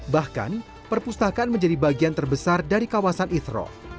bahkan perpustakaan menjadi bagian terbesar dari kawasan ithro